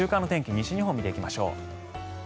西日本見ていきましょう。